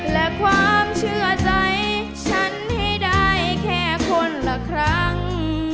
และความเชื่อใจฉันให้ได้แค่คนละครั้ง